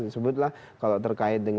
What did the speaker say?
sebutlah kalau terkait dengan